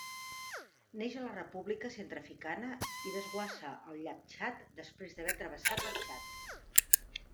Neix a la República Centreafricana i desguassa al llac Txad després d'haver travessat el Txad.